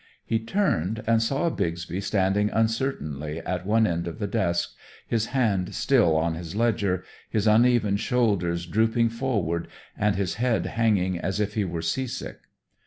He turned, and saw Bixby standing uncertainly at one end of the desk, his hand still on his ledger, his uneven shoulders drooping forward and his head hanging as if he were seasick.